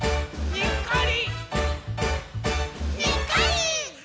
「にっこり！」